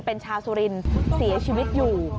เป็นชาวสุรินทร์เสียชีวิตอยู่